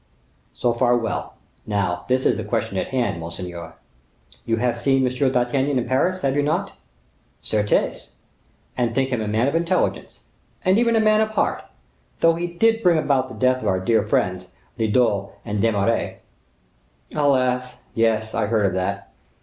"So far well; now, this is the question in hand, monseigneur. You have seen M. d'Artagnan in Paris, have you not?" "Certes, and think him a man of intelligence, and even a man of heart; although he did bring about the death of our dear friends, Lyodot and D'Eymeris." "Alas! yes, I heard of that.